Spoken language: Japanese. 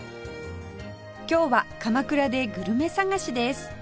今日は鎌倉でグルメ探しです